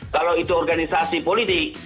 kalau itu organisasi politik